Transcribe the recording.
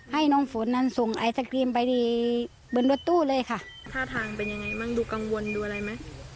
ให้น้องฝนนั้นส่งไอศครีมไปบนรถตู้เลยค่ะท่าทางเป็นยังไงบ้างดูกังวลดูอะไรไหม